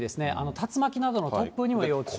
竜巻などの突風にも要注意。